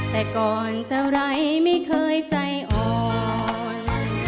แต่ก่อนเท่าไรไม่เคยใจอ่อน